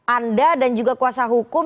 anda dan juga kuasa hukum